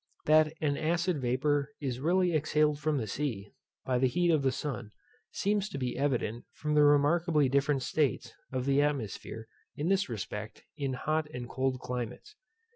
That an acid vapour is really exhaled from the sea, by the heat of the sun, seems to be evident from the remarkably different states of the atmosphere, in this respect, in hot and cold climates.